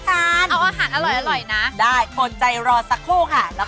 ตามแอฟผู้ชมห้องน้ำด้านนอกกันเลยดีกว่าครับ